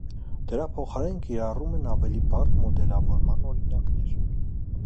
Դրա փոխարեն կիրառում են ավելի բարդ մոդելավորման օրինակներ։